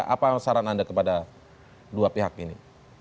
apa saran anda kepada dua pihak ini